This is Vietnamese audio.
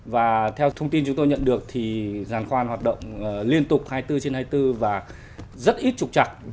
và theo thông tin chúng tôi nhận được thì giàn khoan hoạt động liên tục hai mươi bốn trên hai mươi bốn và rất ít trục chặt